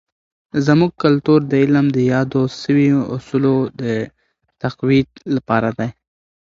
زموږ کلتور د علم د یادو سوي اصولو د تقویت لپاره دی.